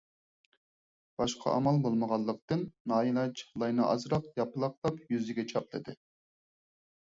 باشقا ئامال بولمىغانلىقتىن، نائىلاج لاينى ئازراق ياپىلاقلاپ يۈزىگە چاپلىدى.